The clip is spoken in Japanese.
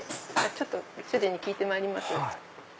主人に聞いてまいります。